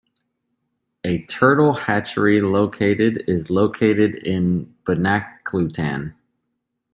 A turtle hatchery located is located in Binoklutan.